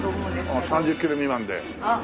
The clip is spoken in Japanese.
ああ３０キロ未満で。